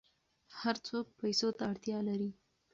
هر څوک پیسو ته اړتیا لري.